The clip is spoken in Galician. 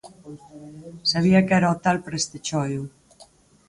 Sabía que era o tal para este choio